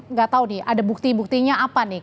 nggak tahu nih ada bukti buktinya apa nih